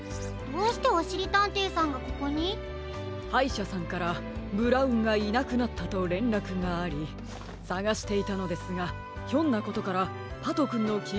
どうしておしりたんていさんがここに？はいしゃさんからブラウンがいなくなったとれんらくがありさがしていたのですがひょんなことからパトくんのき